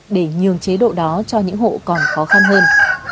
để nhường chế độ đó cho những hộ còn khó khăn hơn